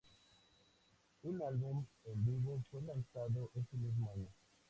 Un álbum en vivo fue lanzado ese mismo año.